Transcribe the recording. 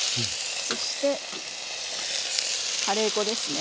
そしてカレー粉ですね。